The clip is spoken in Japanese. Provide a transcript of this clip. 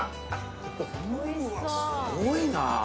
すごいな。